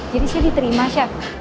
jadi saya diterima chef